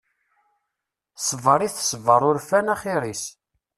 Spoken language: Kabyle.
Sber i tesber urfan axir-is.